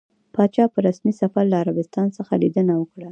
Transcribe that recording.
پاچا په رسمي سفر له عربستان څخه ليدنه وکړه.